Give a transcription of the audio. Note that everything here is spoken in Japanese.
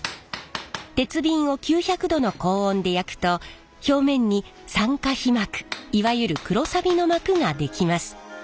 鉄瓶を９００℃の高温で焼くと表面に酸化皮膜いわゆる黒さびの膜ができます。